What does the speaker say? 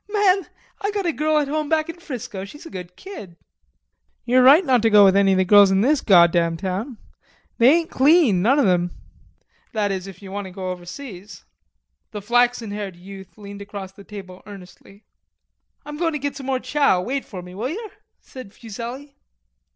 "Man...I got a girl at home back in Frisco. She's a good kid." "Yer right not to go with any of the girls in this goddam town.... They ain't clean, none of 'em.... That is if ye want to go overseas." The flaxen haired youth leaned across the table earnestly. "I'm goin' to git some more chow: Wait for me, will yer?" said Fuselli.